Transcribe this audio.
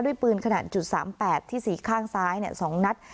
ปืนขนาด๓๘ที่๔ข้างซ้าย๒นัด